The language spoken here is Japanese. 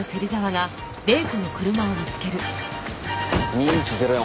２１‐０４